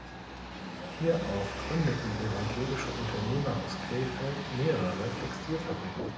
Hierauf gründeten evangelische Unternehmer aus Krefeld mehrere Textilfabriken.